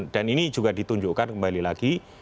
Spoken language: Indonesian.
dan ini juga ditunjukkan kembali lagi